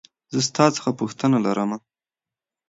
زه ستا څخه پوښتنه لرمه .